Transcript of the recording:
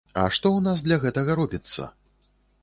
А што ў нас для гэтага робіцца?